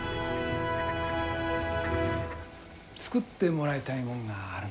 作ってもらいたいもんがあるんだけど。